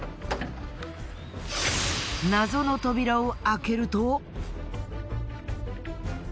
謎の扉を開けると。